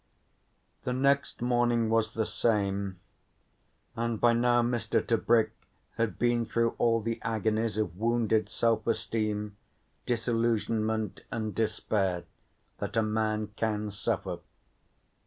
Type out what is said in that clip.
The next morning was the same, and by now Mr. Tebrick had been through all the agonies of wounded self esteem, disillusionment and despair that a man can suffer.